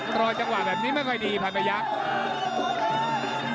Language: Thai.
รอจังหวะแบบนี้ไม่ค่อยดีพันพยักษ์